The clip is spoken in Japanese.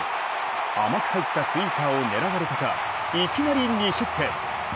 甘く入ったスイーパーを狙われたか、いきなり２失点。